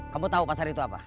kamu tahu pasar itu apa